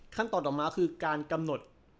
ขั้นตอนต่อมาคือการกำหนด